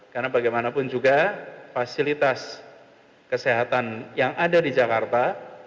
karena bagaimanapun juga fasilitas kesehatan yang ada di jakarta